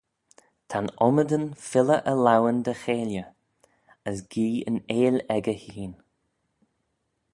Ta'n ommydan filley e laueyn dy cheilley, as gee yn eill echey hene.